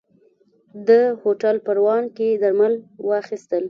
ده هوټل پروان کې درمل واخيستل.